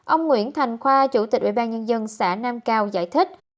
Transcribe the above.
ông nguyễn thành khoa chủ tịch ủy ban nhân dân xã nam cao giải thích